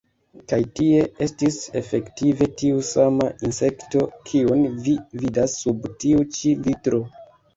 Kaj tie estis efektive tiu sama insekto, kiun vi vidas sub tiu ĉi vitro.